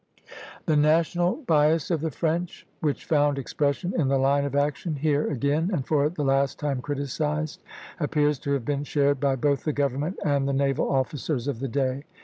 The national bias of the French, which found expression in the line of action here again and for the last time criticised, appears to have been shared by both the government and the naval officers of the day.